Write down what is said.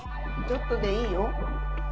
ちょっとでいいよ。